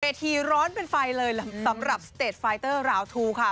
ทีร้อนเป็นไฟเลยสำหรับสเตจไฟเตอร์ราวทูค่ะ